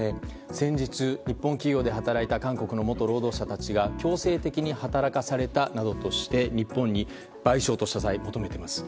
先日、日本企業で働いた韓国の元労働者たちが強制的に働かせられたなどとして日本に賠償と謝罪を求めています。